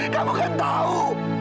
kamu kan tahu